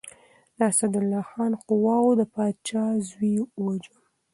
د اسدالله خان قواوو د پادشاه زوی وواژه.